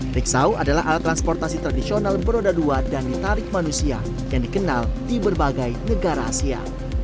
riksau adalah alat transportasi tradisional beroda dua dan ditarik manusia yang dikenal di berbagai negara asia